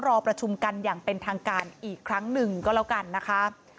รอประชุมกันอย่างเป็นทางการอีกครั้งหนึ่งก็แล้วกันนะคะ